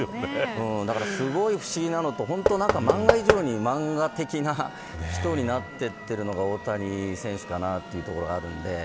すごい不思議なのと漫画以上に漫画的な人になっていっているのが大谷選手かなというところがあります。